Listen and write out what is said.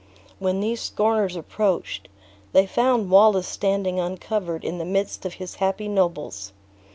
When these scorners approached, they found Wallace standing uncovered in the midst of his happy nobles.